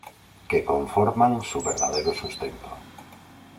que conforman su verdadero sustento